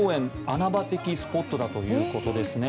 穴場的スポットだということですね。